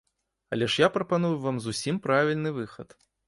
Але ж я прапаную вам зусім правільны выхад.